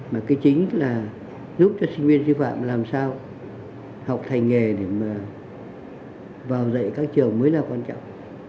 mà cái chính là giúp cho sinh viên sư phạm làm sao học hành nghề để mà vào dạy các trường mới là quan trọng